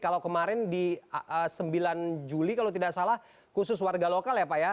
kalau kemarin di sembilan juli kalau tidak salah khusus warga lokal ya pak ya